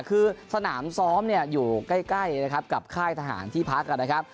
คือสนามซ้อมอยู่ใกล้กับค่ายทหารที่ค่าเพิ่มที่พัก